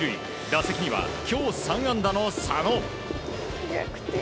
打席には今日３安打の佐野。